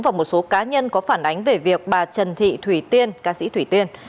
và một số cá nhân có phản ánh về việc bà trần thị thủy tiên